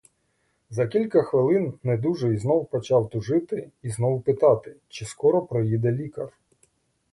За кілька хвилин недужий знов почав тужити і знов питати: чи скоро приїде лікар?